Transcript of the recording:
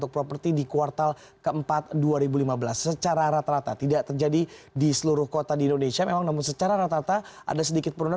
jadi di kuartal keempat dua ribu lima belas secara rata rata tidak terjadi di seluruh kota di indonesia memang namun secara rata rata ada sedikit penurunan